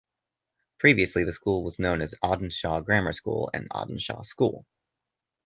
Previously the school was known as Audenshaw Grammar School and Audenshaw School.